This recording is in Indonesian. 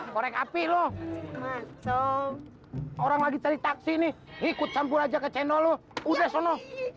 korek api loh orang lagi cari taksi nih ikut campur aja ke cendol lo udah sono